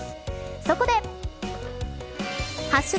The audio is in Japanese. そこで＃